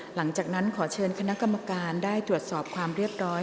หลังจากนั้นขอเชิญคณะกรรมการได้ตรวจสอบความเรียบร้อย